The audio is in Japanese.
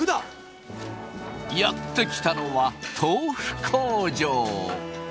やって来たのは豆腐工場。